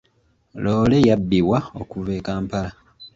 Loole yabbibwa okuva e Kampala.